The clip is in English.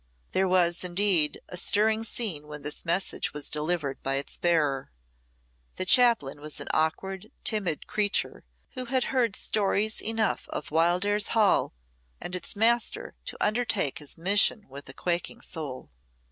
There was, indeed, a stirring scene when this message was delivered by its bearer. The chaplain was an awkward, timid creature, who had heard stories enough of Wildairs Hall and its master to undertake his mission with a quaking soul.